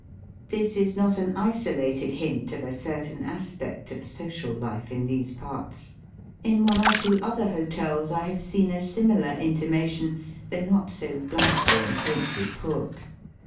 This is not an isolated hint of a certain aspect of social life in these parts. In one or two other hotels I have seen a similar intima tion, though not so bluntly and quaintly put.